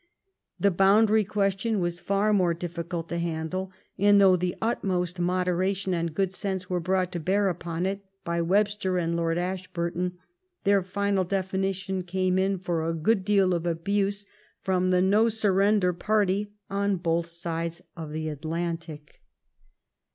The boundary question was far more difficult to handle, and .though the utmost mo deration and good sense was brought to bear upon it by Webster and Lord Ashburton, their final definition came in for a good deal of abuse from the no surrender " party on both sides of the Atlantic.